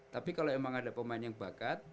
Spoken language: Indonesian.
tapi kalau memang ada pemain yang bakat